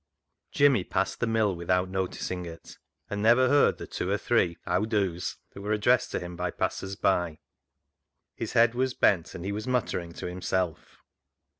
Jimmy passed the mill without noticing it, and never heard the two or three " How do's " that were addressed to him by passers by. His head was bent, and he was muttering to himself.